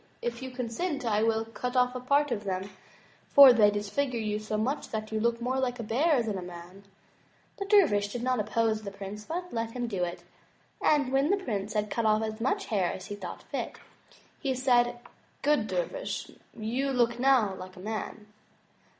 If you consent, I will cut off part of them, for they disfigure you so much, that you look more like a bear than a man." The dervish did not oppose the prince, but let him do it; 63 M Y BOOK HOUSE and when the prince had cut off as much hair as he thought fit, he said: "Good dervish, you look now like a man."